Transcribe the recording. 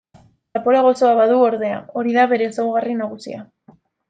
Zapore gozoa badu ordea, hori da bere ezaugarri nagusia.